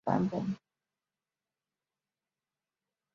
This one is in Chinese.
药师咒出自于咒文有全咒及心咒两个版本。